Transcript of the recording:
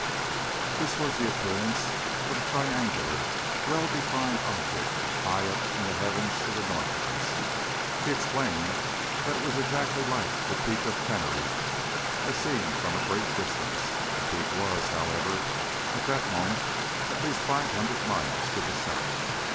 This was the appearance of a triangular well defined object high up in the heavens to the north of us. He explained that it was exactly like the Peak of Teneriffe as seen from a great distance the peak was, however, at that moment at least five hundred miles to the south.